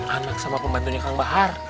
anak sama pembantunya kang bahar